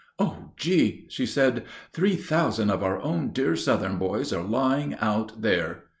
"O G.!" she said, "three thousand of our own, dear Southern boys are lying out there."